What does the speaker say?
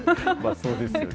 そうですよね。